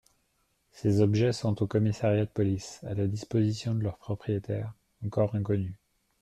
Ces objets sont au Commissariat de police, à la disposition de leurs propriétaires, encore inconnus.